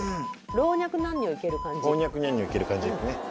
老若男女いける感じですね。